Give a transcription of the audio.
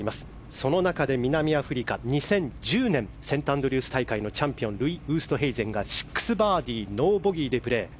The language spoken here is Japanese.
その中で、南アフリカ２０１０年セントアンドリュース大会チャンピオンルイ・ウーストヘイゼンが６バーディーノーボギーでプレー。